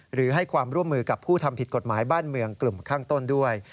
หรือให้ความร่วมมือกับผู้ทำผิดกฎหมายบ้านเมืองกลุ่มข้างต้นด้วย